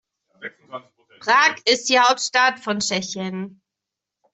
Prag ist die Hauptstadt von Tschechien.